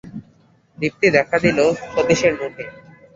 দীপ্তি দেখা দিল সতীশের মুখে।